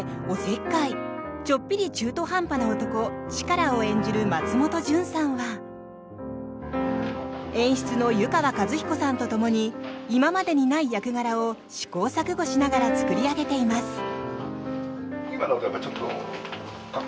そして、ちょっぴり中途半端な男チカラを演じる松本潤さんは演出の遊川和彦さんと共に今までにない役柄を試行錯誤しながら作り上げています。